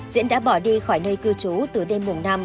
diễn đã bỏ đi khỏi nơi cư trú từ đêm mùng năm